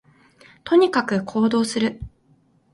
とにかく行動する